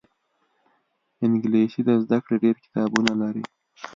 انګلیسي د زده کړې ډېر کتابونه لري